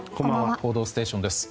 「報道ステーション」です。